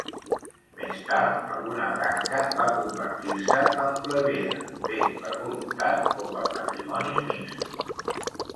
Més tard alguna branca va convertir-se en plebea bé per voluntat o per matrimonis mixtos.